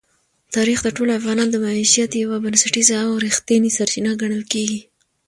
تاریخ د ټولو افغانانو د معیشت یوه بنسټیزه او رښتینې سرچینه ګڼل کېږي.